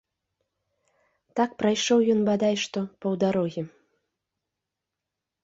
Так прайшоў ён бадай што паўдарогі.